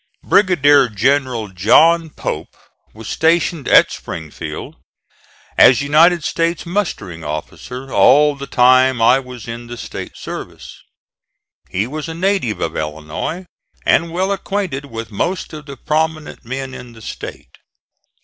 Brigadier General John Pope was stationed at Springfield, as United States mustering officer, all the time I was in the State service. He was a native of Illinois and well acquainted with most of the prominent men in the State.